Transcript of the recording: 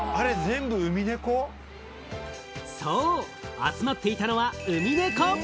集まっていたのはウミネコ。